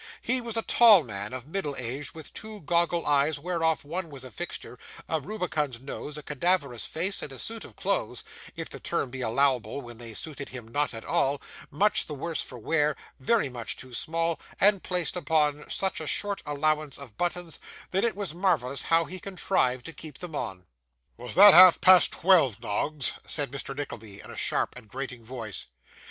He was a tall man of middle age, with two goggle eyes whereof one was a fixture, a rubicund nose, a cadaverous face, and a suit of clothes (if the term be allowable when they suited him not at all) much the worse for wear, very much too small, and placed upon such a short allowance of buttons that it was marvellous how he contrived to keep them on. 'Was that half past twelve, Noggs?' said Mr. Nickleby, in a sharp and grating voice.